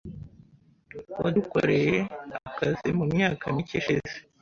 Wadukoreye akazi mumyaka mike ishize .